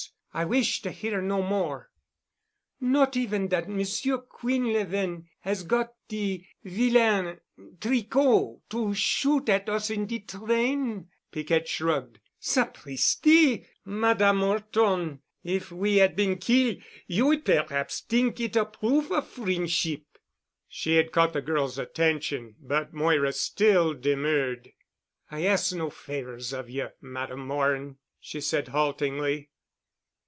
I wish to hear no more——" "Not even dat Monsieur Quinlevin has got de vilain Tricot, to shoot at us in de train——" Piquette shrugged. "Sapristi! Madame 'Orton,—if we 'ad been kill' you would perhaps t'ink it a proof of friendship." She had caught the girl's attention, but Moira still demurred. "I ask no favors of you, Madame Morin," she said haltingly.